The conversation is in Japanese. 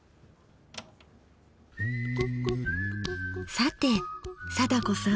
さて貞子さん。